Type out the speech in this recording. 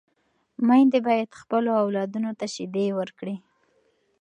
میندې باید خپلو اولادونو ته شیدې ورکړي.